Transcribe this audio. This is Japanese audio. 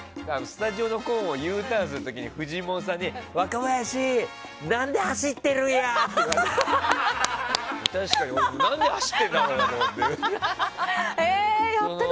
スタジオのコーンをＵターンする時にフジモンさんに若林何で走ってるんや！って言われて。